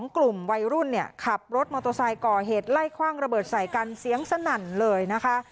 กลุ่มวัยรุ่นเนี่ยขับรถมอเตอร์ไซค์ก่อเหตุไล่คว่างระเบิดใส่กันเสียงสนั่นเลยนะคะ